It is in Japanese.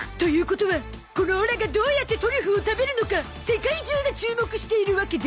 ことはこのオラがどうやってトリュフを食べるのか世界中が注目しているわけですね